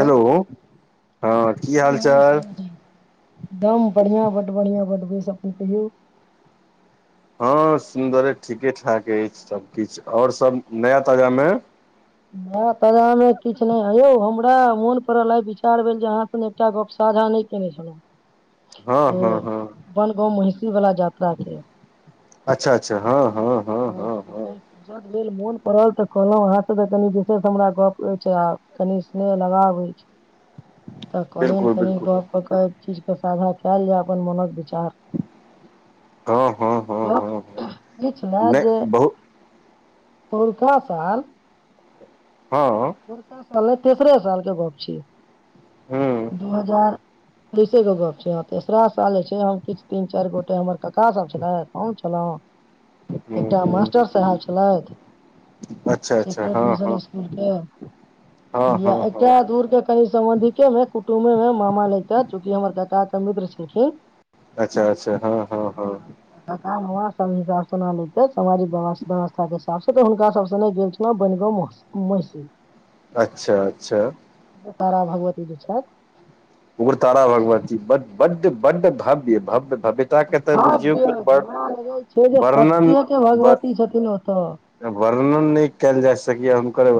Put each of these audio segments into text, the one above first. Hello हँ की हाल चाल एकम बढ़ियां बड्ड बढ़ियां बड बेस अपने कहियौ हँ सुन्दरे ठीके ठाक ऐछ सब किछ और सब नया ताजा मे नया ताजा मे किछ नय यौ हमरा मोन पड़ल ह विचार भेल जे अहाँ संगे एकटा गप साझा नय केने हँ छलो ओ हँ हँ वनगाँव महिषी वाला यात्रा के अच्छा अच्छा हँ हँ हँ अपन फुर्सत भेल मोन पड़ल तऽ कहलो अहाँ सब त कनि विशेष हमरा गप ऐछ आ कनि स्नेह लगाव ऐछ तऽ कहलेन बिलकुल कनि बिलकुल गप कऽ के एहि चीज के साझा कैयल जाय अपन मोनक विचार हँ हँ हँ हँ हँ इ छला जे नहि बहुत पैरका साल हँ पौरका साल ने तेसरे साल के गप छिय हूँ दू हजार दु हाजार तेइसे क गप छै तेसरा साल छै हम किछ तीन चार गोटे हमर कका सब छलो हम छलो हूँ एकटा हूँ मास्टर साहेब छलैथ अच्छा सेट अच्छा हँ मिशन हँ इकुल के हँ हँ हँ [inaudible] दूर के कनि सम्बन्धिके मे कुटुम्मे मे मामा लेगतेथ चूँकि हमर कका के मित्र छलखिन अच्छा अच्छा हँ हँ हँ कका ममा सभ हिनका सँ सान्त्वना लेतेथ समाजिक व्यव व्यवस्था के हिसाब से तऽ हुनका सभ से ने नहि गेल बनग उम्हार से अच्छा अच्छा तारा भगवती द छथि उग्रतारा भगवती ब बड बडड भव्य भव्य भव्य ता के त बुझियौ भव्य व जेना लगै छै जे वर्णन सत्ये के ब भगवती छथिन ओतऽ वर्णन नय कयल जा सकैया हुनकर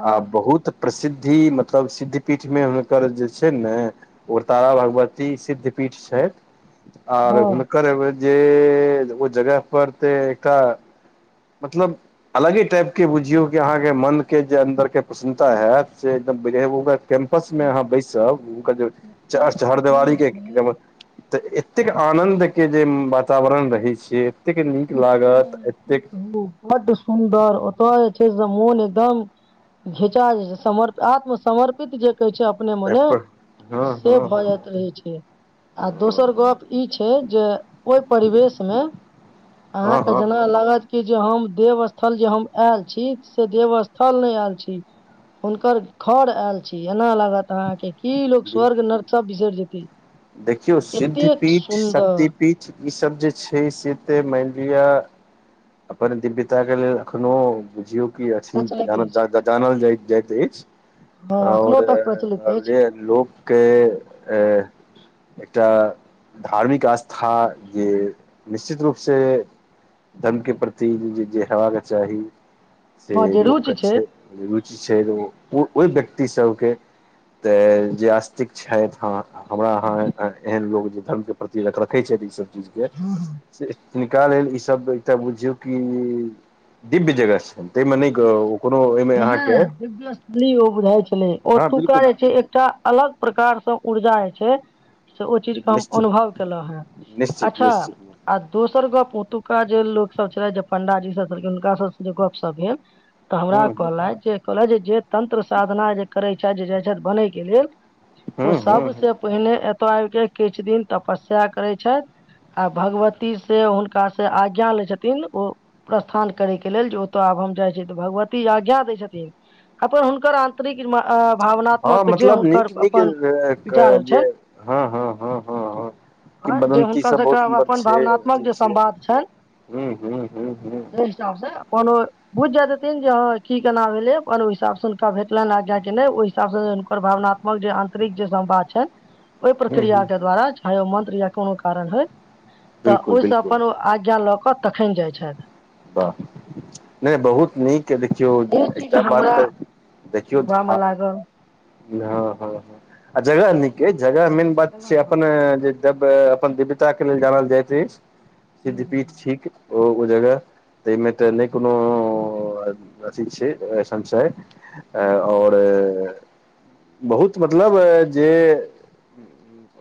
आह बहुत प्रसिद्धि मतलब सिद्धि पीठमे हुनकर जे छैनने उग्रतारा भगवती सिद्ध पीठ छय आर हँ हुनकर अब जे ओ जगह पर तऽ एत मतलब अलगे टाइप के बुझियौ कि अहाँ के मन के जे अन्दर के प्रसन्नता हयत से एकदम बगत आपस मे एक अहाँ बैसब हुनकर जे एकटा चह ओतऽ जे चहरिदवारी के छै तऽ एतेक आनन्द के जे वातावरण रहैत छै एतेक निक लागत एतेक बड सुन्दर ओतऽ जे छै से मोन एकदम घिचा जाइ छै समर आत्मसर्पित जे कहै छै अपने मने पेपर हँ से हँ भऽ जाइत रहै छै आ हँ दोसर गप ई छै जे ओय परिवेश मे अहाँ हँ के हँ जेना लागत कि जे हम देव स्थल जे हम आयल छी से देव स्थल नय आयल छी हुनकर घर आयल छी एना लागत अहाँके की लोक स्वर्ग बिलकुल नर्क सब बिसर जेते देखियौ सिद्ध पीठ शक्ति पीठ ईसभ जे छै से तऽ मान लिअ अपन दिव्यता के लेल अखनो बुझियौ की पता अथि चलैत जानत अछि जादा जानल जाय जाइत अछि हँ एखनो ओर तक प्रचलित अछि जे लोक केँ ए एकटा धार्मिक आस्था जे निश्चित रूप से धन के प्रति जे हेब के चाही हँ से जे रुचि लोकके छै रुचि छै ओ ओहि व्यक्ति सभके तऽ जे आस्तिक छथि ह हमरा अहाँ एहन लोक जे धर्म के प्रति रख रखे छै ई सभ चीज के हँ हँ हिनका लेल ई सभ तऽ बुझयौ कि दिव्य जगह छै ताहिमे नहि [unintelligible] कोनो ओहिमे अहाँके दिव्य स्थली ओ बुझाइ छलै हँ ओतुका बिलकुल जे छै एकटा अलग प्रकार सँ ऊर्जा जे छै से ओ चीजके हम निश्चित अनुभव केलहुँ हेँ- निश्चित अच्छा निश्चित आ दोसर गप्प ओतुका जे लोक सब छले जे पंडाजी सब छलखिन हुनका सभ से जे गप सब भेल तऽ हमरा ह कहलय जे कहलथि जे जे तंत्र साधना जे करै छथि जे जाइ छय बनय के लेल ह ओ ह सभसेँ पहिले एतय आबकेँ किछु दिन तपस्या करै छय आ भगवती से हुनका से आज्ञा लै छथिन ओ प्रस्थान करै के लेल जे ओतय आब हम जाइ छियै तऽ भगवती आज्ञा दै छथिन अपन हुनकर अन् तदी किरमा अ हँ भावनात्मक जे मतलब नीक हुनकर नीक अपन विचार होइ जे छन हँ हँ हँ हँ हँ जे किबदन्ती हुनकर सभ बहुत सबके सुन्दर अपन छै भावनात्मक अथी जे छै संवाद छनि हु हु ह [unintelligible] बुझ जाय हेथिन हं की केना भेलै अपन ओहि हिसाब से हुनका भेटलनि हं कियकि ओहि हिसाब से हुनकर भावना हमर जे आंतरिक जे संबाद छै ओहि ह प्रक्रियाके द्वारा चाहे ओ मंत्र या कोनो कारण होइ तऽ बिलकुल ओहि स बिलकुल अपन आज्ञा लऽ कऽ तखन जाइ छथि वाह नहि बहुत निक के देखियौ ई चीज एकटा बात हमरा तऽ देखियौ सुनबा मे धा- लागल हाँ हाँ हाँ आ जगह नीके जगह मेन बात छला छै बड अपना जे सुन्दर जब अपन दिव्यताके लेल जानल जाइत अछि हूँ सिद्ध हूँ पीठ हूँ, छीक ओ जगह तेहिमे तऽ नहि कोनो अ-अथि छै संशय आ आओर ए- बहुत मतलब जे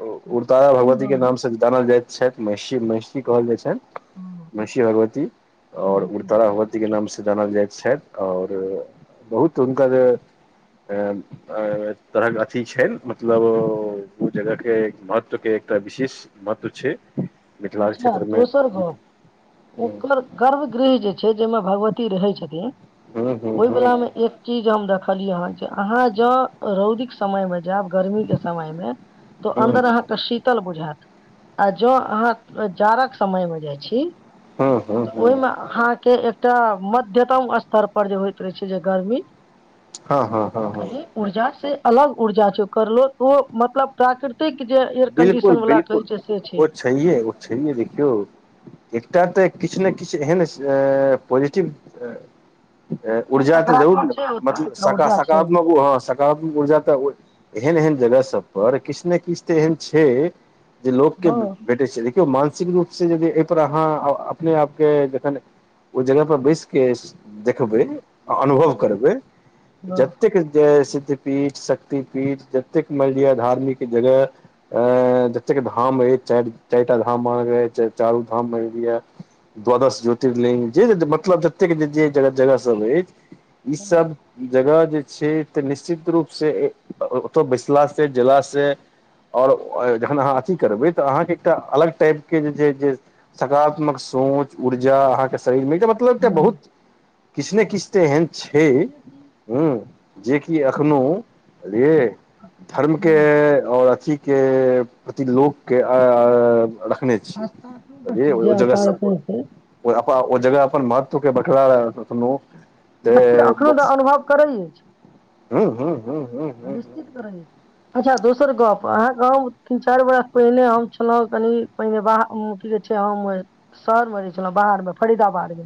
उग्रतारा भगवतीके सुन्दर नाम से जानल जाएत शायद महिषी महिषी कहल जाइ छैन हँ महिषी भगवती आओर महिषी उग्रतारा भगवततीके भगवती। नामसे जानल जाइत छथि आओर बहुत हुनकर जे ऐं ऐं-तहन अथि छैन मतलब ओ जगह के महत्व के एकटा विशेष महत्व छै मिथिलाक अच्छा क्षेत्र मे दोसर गप ओकर गर्भगृह जे छै जाहिमे भगवती रहै छथिन हूँ हूँ ओहि हूँ वलामे एक चीज हम देखलियै हँ जे अहाँ जँ रौदीक समयमे जायब गर्मीके समयमे हूँ तऽ हूँ अन्दर अहाँके शीतल बुझाएत आ जों अहाँ जाड़क समयमे जाइ छी हूँ तऽ हूँ ओहिमे आँ - -हाँके एकटा मध्यतम स्तर पर जे होइत रहै छै जे गर्मी हाँ हाँ हाँ हाँ कनि ऊर्जा से अलग ऊर्जा छै ओकर लोक ओ-मतलब प्राकृ- -तिक जे एयर कंडीशन वला कहै छै से छै सहीये ओ छहियै देखियौ एकटा तऽ किछ ने किछ एहेन पोजेटिव छै ऊर्जा तऽ जरूर सकारात्मक ने छै ओतऽ मतलब एकटा सका ऊर्जा छै सकारात्मक ओ हाँ सका- ऊर्जा तऽ एहन एहन जगह सब पर किछ ने किछ तऽ एहन छै जे लोकके भेटै छै देखियौ मानसिक रूप से यदि एहिपर अहाँ अपने आपके जखन ओई जगह पर बैसके देखबै आ अनुभव करबै हँ जतेक जे सिद्ध पीठ शक्तिपीठ जतेक मैनलिअ धार्मिक जगह अं -जतेक धाम अछि चारि चारि टा धाम अहाँके चारू धाममे लिअ द्वादश ज्योतिर्लिङ्ंग जे मतलब जतेक जे-जे जगहसभ अछि हँ हँ ईसभ जगह जे छै तऽ निश्चित रूपसे ओतऽ बैसलासे गेलासे आओर ओ- जखन अहाँ अथि करबै तऽ अहाँके एकटा अलग टाइपके जे छै जे सकारात्मक सोच ऊर्जा अहाँके शरीरमे [unintelligible] मतलब एकटा हँ बहुत किछ ने किछ तऽ एहन छै छैहे की हूँ जेकि अखनो बुझलियै धर्मके हँ आओर अथि के प्रति लोकके अ- अ-रखने छै आस्था एखनो बुझलियै रखियै जे ओइ जगह आस्था सब रखने पर छै ओ अपा- ओ जगह अपन महत्वके बरकरा रखने अखनो मतलब अखनो तऽ अनुभव करै छै हूँ हूँ हूँ हूँ निश्चित अच्छा दोसर गप अहाँक गाँव तीन चारि बरस पहिने हम छलहुँ कनि पहिने बाह की कहै छै हम शहरमे रहै छलहुँ बाहर मे फरीदाबाद मे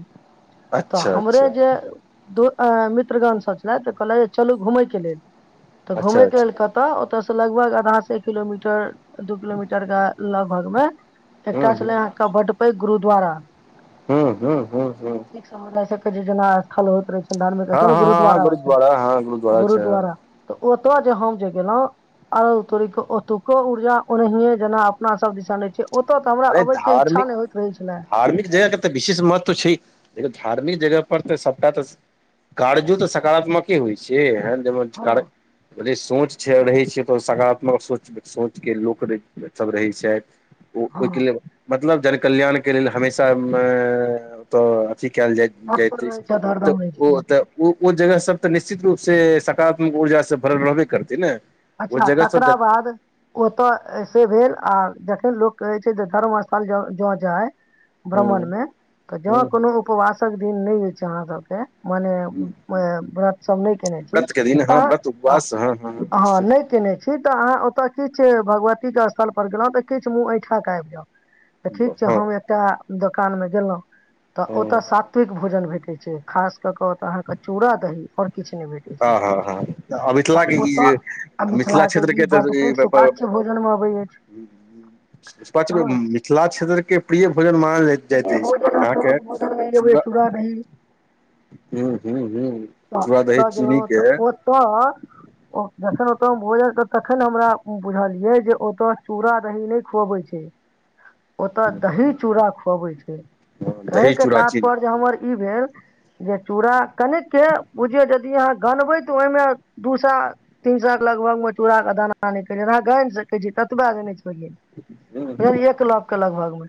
तऽ अच्छा हमरे अच्छा जे दू मित्रगण सब छलैथ त कहलैत जे चलू घुमै के लेल तऽ अच्छा घूमैके अच्छा लेल कत तऽ ओतय से लगभग आधा से एक किलोमीटर दू किलोमीटर के लगभग मे हूं एकटा हूं छलै अहाँके बड्ड पैघ गुरुद्वारा हूँ हूँ हूँ हूँ से मुद्दा केजना स्थल होइत रहै छै हँ हँ हँ हँ गुरुद्वारा हँ हँ गुरुद्वारा छय तऽ ओत जे हम जे गेलो आरौ तोरीके ओतुको ऊर्जा ओनहियें जेना अपना सब दिसन होइ छै ओतय तऽ हमरा अरे अबै के इच्छा धार्मिक नहि होइत रहै छले धार्मिक जगह के तऽ विशेष महत् छै धार्मिक जगह पर तऽ सबटा तऽ कार्जो त सकारात्मक हँ [inaudible] बड़े सोच छै रहै छैै तऽ सकारात्मक सोच सोच के लोक सब रहैत छैथ हँ ओयके लेल मतलब जन कल्याण के लेल हमेशा ओतऽ अथी कयल जाय जाएत तत्पर ऐछ रहै छथि तऽ हरदम रहै ओ छथिन ओतऽ ओ जगह सब तऽ निश्चित रूप से सकारात्मक ऊर्जा से भ रहबे करतै नै अच्छा तकरा बाद ओतय से भेल आर जखन लोक कहे छै जे धर्म स्थल ज जो जाय हूँ भ्र्मणमे तऽ जँ हूँ कोनो हूँ उपवासक दिन नइ ऐछ अहाँसभके मने अ व्रत सब नय केने छी तहन सुब्बा सँ हँ हँ हँ निश्चित नय केने छी तऽ अहाँ ओतऽ किछु भगवतीक के स्थल पर गेलहुँ तऽ किु मुँह एठा के आएब जाउ तऽ ठीक छै हँ हम एकटा दोकान में गेलो तऽ हँ ओतऽ सात्विक भोजन भेटे छै खास कर के अहाँ चूड़ा दही ओर हँ हँ हँ तऽ मिथिला के ई ओतय जे आ मिथिला मिथिलाके क्षेत्र ई के बड्ड पैघ तऽ सुपाच्य भोजनमे अबै अछि पच हँ मिथिला क्षेत्र के प्रिय भोजन मानल जाएत जाएत देखियौ ऐछ भोजन अहाँके प्रमुख भोजनमे एगो चूड़ चूड़ा दही हू हू हू चुड़ा दही गेलो चीनी के तऽ ओतऽ जखन ओतो भोजल तखन हमरा बुझलिये जे ओतो चूरा दही नय खुअबै छै ओतऽ दही चूड़ा खुअबै छै कहै दही के चूड़ा चीनी तात्पर्य जे हमर ई भेल जे चूड़ा कनिक के बुझिये यदि अहाँ गनबै तऽ ओहिमे दूसए तीन सए के लगभग मे चूड़ा के दाना नय केह छै अहाँ गाइन सकैत छीयै ततबा देने छियै हँ [unintelligible] एक लप के लगभग मे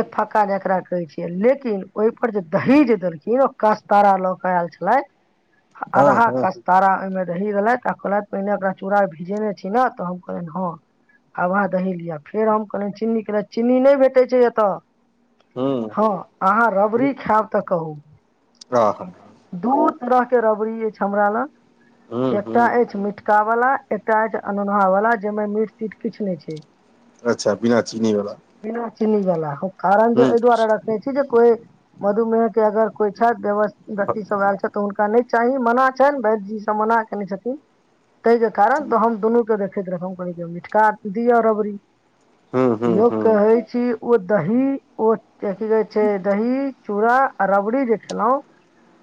एक फक्का जेकरा कहे छिये लेकिन ओहि पर जे दही जे देलखिन ओ कास्तारा ल के आयल छले हँ अधहा हूँ कस्तार मे दही देलेथ आ कहलेथ पहिने ओकरा चूड़ा भिजेने छी ने तऽ हम कहलनि हँ आव अहाँ दही लिय फेर हम कहलिय चिन्नी के चिन्नी नय भेटे छै एतऽ हूँ हँ अहाँ रबड़ी खायब तऽ कहू हँ हँ दू तरह के रबड़ी ऐछ हमरा लग हूँ एकटा हूँ ऐछ मिठ- का वाला एकटा ऐछ अनोनह वाला जाहिमें मीठ तीठ किछ नय छै अच्छा बिना चीनी वला। बिना चीनी वला कारण जे हूँ एहि दुआरे रखने छी जे कोइ मधुमेह के अगर। कोइ छथि व्यसथित व्यक्ति सब आयल छथि हुनका नै चाही मना छनि वैद्य जीसँ मना कने छथिन ताहिके कारण तऽ हम दुनूके देख। [unintelligible] दिय रबरी हूँ हूँ इहो हूँ कहै छी ओ द- - हूँ ओ ची कहे छै दही चूड़ा आ रबड़ी जे खेलौं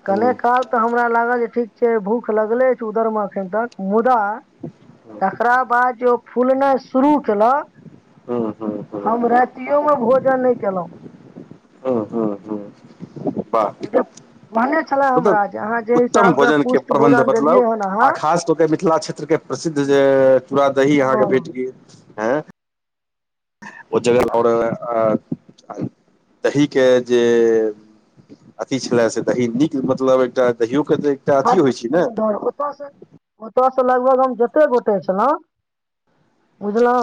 हूँ कने काल तऽ हमरा लागल जे ठीक छै भूख लगले अछि उधर मे अखन तक मुदा हूँ तकरा बाद जे ओ फूलनाइ शुरू केलक। हँ हँ। हम रातिओमे भोजन नै केलौं हूँ हूँ हूँ [inaudible] उपा जे कहने छले मतब हमरा जे अहाँ जे उत्तम हिसाब से भोजन के पुष्ट प्रबन्ध भोजन देलियै मतलब हन अहाँ आ खास तौर। मिथिला क्षेत्रके प्रसिद्ध जे चूरा दही हँ अहाँके भेट गेल हँ ओ जगह आओर अ अ दही के जे अथी छलए से दही नीक मतलब एकटा दहियो के तऽ एकटा अथि होइ छै ने हँ ओतसे ओतयसँ लगभग हम जते गोटे छलौं बुझलौं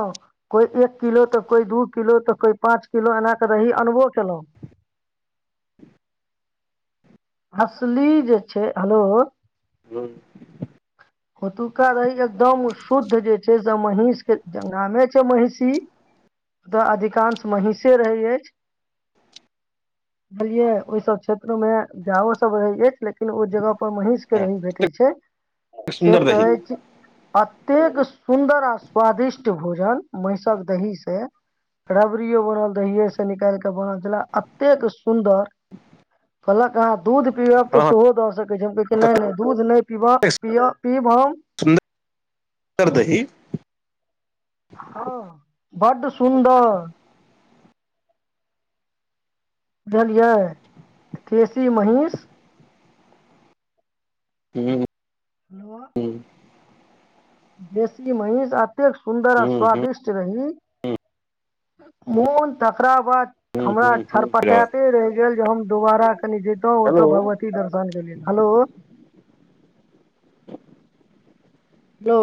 कोइ एक किलो तऽ कोइ दू किलो तऽ कोइ पाँच किलो एना कऽ रही अनबो कयेलौ हसली जे छै हलो ने ओतुका दही एकदम शुद्ध जे छै ज महीष के ज नामे छै महिषी दऽ अधिकांश महीषे रहै अछि बुझलियै ओय सब क्षेत्र मे गायो सब रहै अछि लेकिन ओ जगह पर महींष के रही भेटै छै से सुन्दर दही कहै छी अतेक सुन्दर आ स्वादिष्ट भोजन महिषक दही से रबड़ियो बनल दहिये स निकैल क बनल छैला अतेक सुंदर कहलक अहाँ दूध पीअब तऽ हँ हँ सेहो दऽ सकै छी हम कहलिय की नै-नै दूध नै पीबअ -पीय -पीब हम सुन [unintelligible] सुन्दर दही हँ बड्ड सुन्दर बुझलियै टेशी महीष हूँ हलवा देशी महींष अतेक सुन्दर आ स्वादिष्ट [unintelligible] रही मोन तकरा बाद हमरा छड़पटाते रहि गेल जे हम दोबारा कनि जइतौ ओत हेलो भगवती ती दर्शन के लेल हलो हेलो